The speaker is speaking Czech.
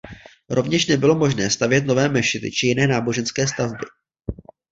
Rovněž nebylo nemožné stavět nové mešity či jiné náboženské stavby.